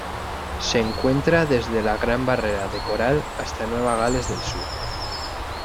Se encuentra desde la Gran Barrera de Coral hasta Nueva Gales del Sur.